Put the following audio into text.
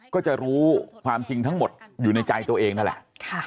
ก็จะรู้ความจริงทั้งหมดอยู่ในใจตัวเองนั่นแหละ